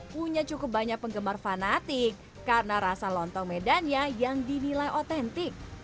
punya cukup banyak penggemar fanatik karena rasa lontong medannya yang dinilai otentik